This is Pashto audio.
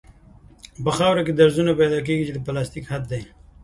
په خاوره کې درزونه پیدا کیږي چې د پلاستیک حد دی